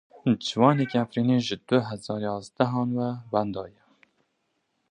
Ciwanekî Efrînî ji du hezar yazdehan ve wenda ye.